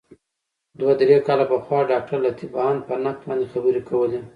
دوه درې کاله پخوا ډاګټرلطیف بهاند په نقد باندي خبري کولې.